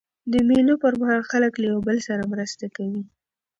د مېلو پر مهال خلک له یو بل سره مرسته کوي.